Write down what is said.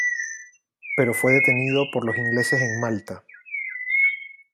Pero fue detenido por los ingleses en Malta.